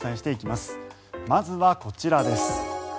まずはこちらです。